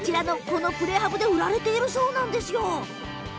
このプレハブで売られているそうなんですが。